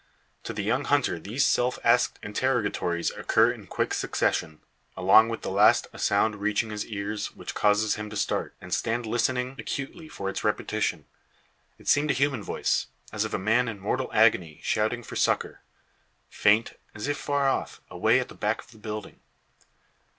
To the young hunter these self asked interrogatories occur in quick succession; along with the last a sound reaching his ears which causes him to start, and stand listening acutely for its repetition. It seemed a human voice, as of a man in mortal agony shouting for succour. Faint, as if far off, away at the back of the building.